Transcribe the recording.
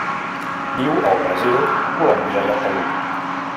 Viu al Brasil, Colòmbia i el Perú.